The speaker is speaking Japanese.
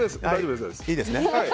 いいですね。